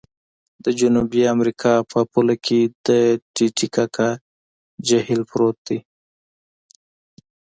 د جنوبي امریکا په پوله کې د ټې ټې کاکا جهیل پروت دی.